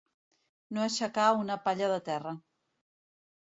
No aixecar una palla de terra.